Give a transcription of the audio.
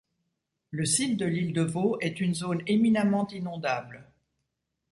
Le site de l’île de Vaux est une zone éminemment inondable.